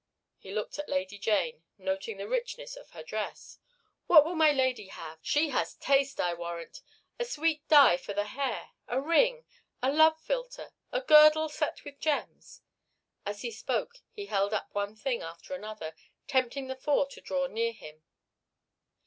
He looked at Lady Jane, noting the richness of her dress. "What will my lady have? She has taste, I warrant. A sweet dye for the hair, a ring, a love philtre, a girdle set with gems?" As he spoke he held up one thing after another, tempting the four to draw near him.